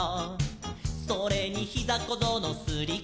「それにひざこぞうのすりきずを」